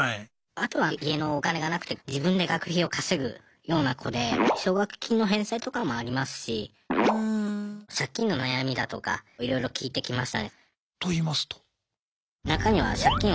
あとは家のお金がなくて自分で学費を稼ぐような子で奨学金の返済とかもありますし借金の悩みだとかいろいろ聞いてきましたね。といいますと？